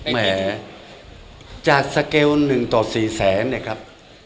แหมจากสเกล๑ต่อ๔แสนเนี่ยครับ